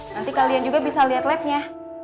nanti kalian juga bisa lihat labnya